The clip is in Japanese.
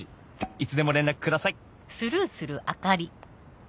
いつでも連絡ください」。